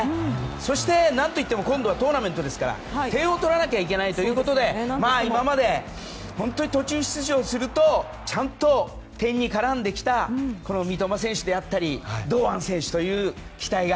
そして、何といっても今度はトーナメントですから点を取らなきゃいけないということで今まで途中出場するとちゃんと点に絡んできたこの三笘選手であったり堂安選手という期待が。